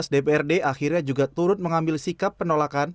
lima belas dprd akhirnya juga turut mengambil sikap penolakan